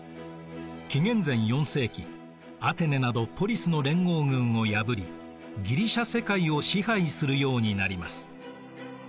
紀元前４世紀アテネなどポリスの連合軍を破りギリシア世界を支配するようになります。